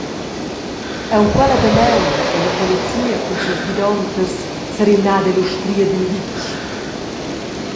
Aunc quella damaun ei la polizia cun ses gidonters serimnada ell’ustria dil vitg.